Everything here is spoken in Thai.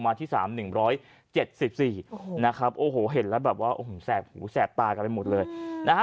เสียบตากลายเป็นหมดเลยนะฮะ